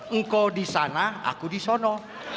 engkau disana aku disono